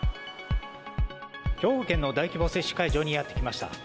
兵庫県の大規模接種会場にやって来ました。